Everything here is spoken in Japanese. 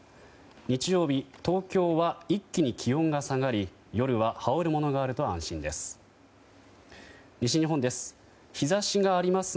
日曜日、東京は一気に気温が下がり夜は羽織るものがあると安心です。